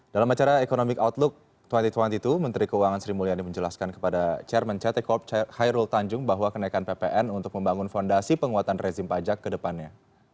dalam acara economic outlook dua ribu dua puluh itu menteri keuangan sri mulyani menjelaskan kepada chairman ct corp hairul tanjung bahwa kenaikan ppn untuk membangun fondasi penguatan rezim pajak ke depannya